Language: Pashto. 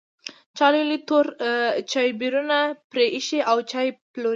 چا لوی لوی تور چایبرونه پرې ایښي او چای پلوري.